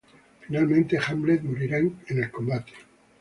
Finalmente, Hamlet morirá en el combate.